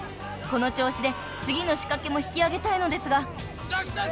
［この調子で次の仕掛けも引き揚げたいのですが］